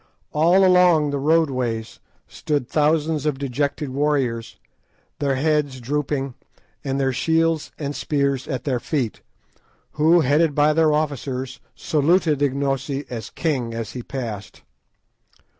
All along the roadways stood thousands of dejected warriors, their heads drooping, and their shields and spears at their feet, who, headed by their officers, saluted Ignosi as king as he passed.